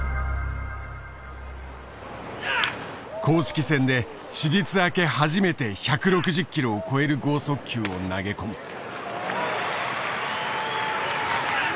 公式戦で手術明け初めて１６０キロを超える剛速球を投げ込む。